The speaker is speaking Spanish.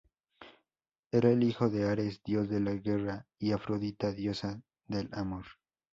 Era el hijo de Ares, dios de la guerra, y Afrodita, diosa del amor.